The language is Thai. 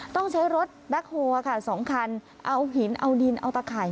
ต้องใช้รถแบ็คโฮลค่ะ๒คันเอาหินเอาดินเอาตะข่าย